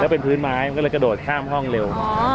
เป็นพื้นไม้มันก็เลยกระโดดข้ามห้องเร็ว